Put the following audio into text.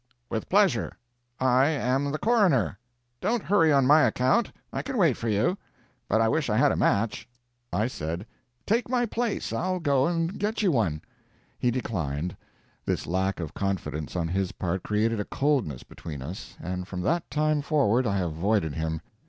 "With pleasure. I am the coroner. Don't hurry on my account. I can wait for you. But I wish I had a match." I said: "Take my place, and I'll go and get you one." He declined. This lack of confidence on his part created a coldness between us, and from that time forward I avoided him.